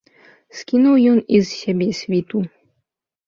Скінуў ён і з сябе світу.